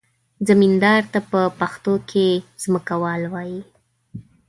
زمیندار ته په پښتو کې ځمکوال وایي.